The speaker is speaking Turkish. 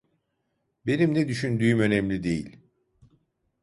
Benim ne düşündüğüm önemli değil.